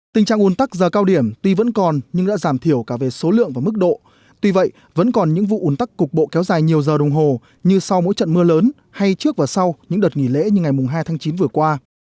tình trạng ồn tắc giờ cao điểm tuy vẫn còn nhưng đã giảm thiểu cả về số lượng và mức độ tuy vậy vẫn còn những vụ ủn tắc cục bộ kéo dài nhiều giờ đồng hồ như sau mỗi trận mưa lớn hay trước và sau những đợt nghỉ lễ như ngày hai tháng chín vừa qua